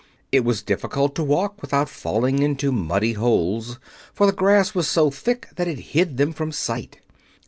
It was difficult to walk without falling into muddy holes, for the grass was so thick that it hid them from sight.